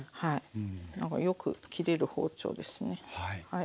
なんかよく切れる包丁ですねはい。